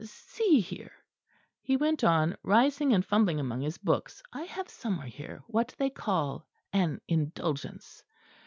See here," he went on, rising, and fumbling among his books, "I have somewhere here what they call an Indulgence."